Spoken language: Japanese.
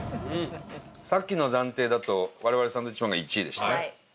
さっきの暫定だと我々サンドウィッチマンが１位でしたね。